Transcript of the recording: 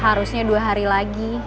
harusnya dua hari lagi